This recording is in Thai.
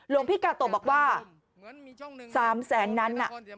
ลูกพี่กาโตะบอกว่า๓๐๐๐๐๐บาทนั้น